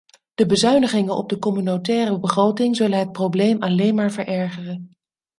De bezuinigingen op de communautaire begroting zullen het probleem alleen maar verergeren.